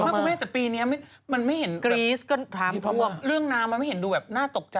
พระม่าแต่ปีนี้มันไม่เห็นเรื่องน้ำมันไม่เห็นดูแบบน่าตกใจ